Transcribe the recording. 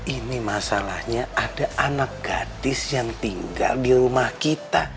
ini masalahnya ada anak gadis yang tinggal di rumah kita